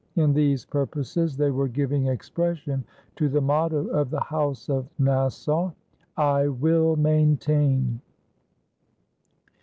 In these purposes they were giving expression to the motto of the House of Nassau: "I will maintain."